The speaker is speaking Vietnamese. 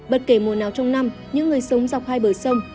bất kể mùa nào trong năm những người sống dọc hai bờ sông